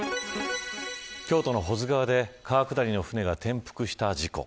京都の保津川で川下りの舟が転覆した事故。